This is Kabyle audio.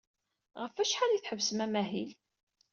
Ɣef wacḥal ay tḥebbsem amahil?